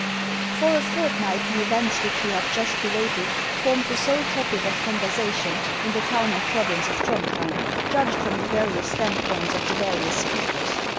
FOR a fortnight the events which we have just related formed the sole topic of conversation in the town and province of Throndhjem, judged from the various standpoints of the various speakers.